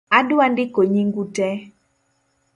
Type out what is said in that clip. Adwa ndiko nying'u tee